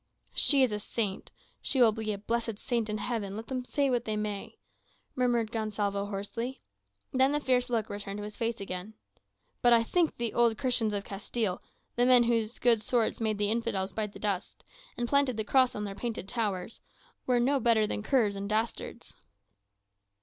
"She is a saint she will be a blessed saint in heaven, let them say what they may," murmured Gonsalvo hoarsely. Then the fierce look returned to his face again. "But I think the old Christians of Castile, the men whose good swords made the infidels bite the dust, and planted the cross on their painted towers, are no better than curs and dastards."